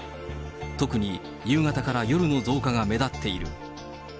特に夕方から夜の増加が目立っている。